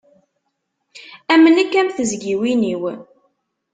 Am nekk am tizyiwin-iw.